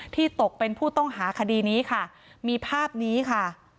ตกเป็นผู้ต้องหาคดีนี้ค่ะมีภาพนี้ค่ะ